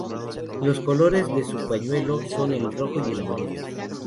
Los colores de su pañuelo son el rojo y el amarillo.